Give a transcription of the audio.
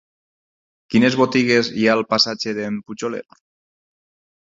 Quines botigues hi ha al passatge d'en Pujolet?